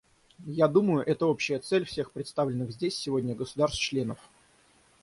Я думаю, это общая цель всех представленных здесь сегодня государств-членов.